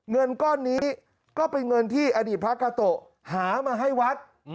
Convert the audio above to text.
เงินก้อนนี้ก็เป็นเงินที่อดีตพระกาโตะหามาให้วัด